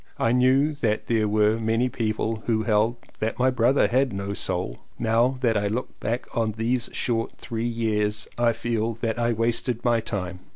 I knew that there were many people who held that my brother had no Soul. Now that I look back on those short three years I feel that I wasted my time.